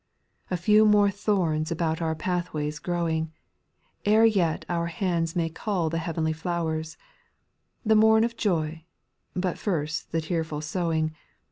2. A few more thorns about our pathway grow ing, Ere yet our hands may cull the heavenly flowers — The morn of joy, but first the tearful sowing.